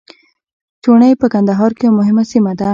چوڼۍ په کندهار کي یوه مهمه سیمه ده.